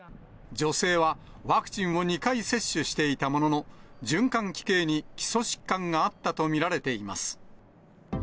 女性はワクチンを２回接種していたものの、循環器系に基礎疾患があったと見られています。